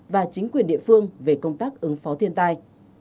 và chính quyền địa phương về công tác ứng phó thiên tai